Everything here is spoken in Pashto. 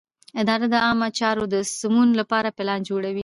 اداره د عامه چارو د سمون لپاره پلان جوړوي.